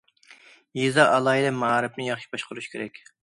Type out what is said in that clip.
يېزا ئالاھىدە مائارىپىنى ياخشى باشقۇرۇش كېرەك.